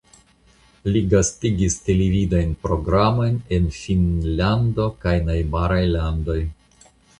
Li gastigis televidajn programojn en Finnlando kaj najbaraj landoj.